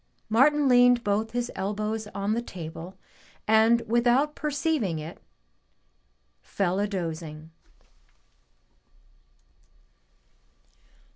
Martin leaned both his elbows on the table and, without perceiving it, fell a dozing.